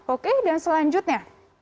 oke dan selanjutnya